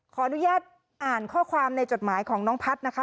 ขออนุญาตอ่านข้อความในจดหมายของน้องพัฒน์นะคะ